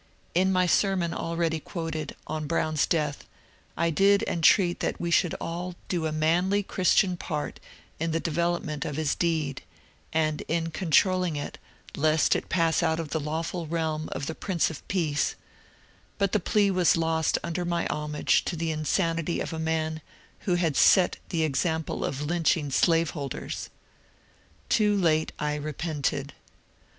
In my sermon already quoted, on Brown's death, I did entreat that we should all ^^ do a manly Christian part in the develop ment of his deed, and in controlling it, lest it pass out of the lawful realm of the Prince of Peace," but the plea was lost under my homage to the insanity of a man who had set the example of lynching slaveholders. Too late I repented.